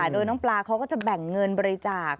โดยน้องปลาเขาก็จะแบ่งเงินบริจาค